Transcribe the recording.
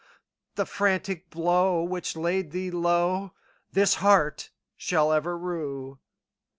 The frantic blow which laid thee lowThis heart shall ever rue."